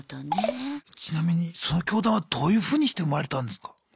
ちなみにその教団はどういうふうにして生まれたんですか？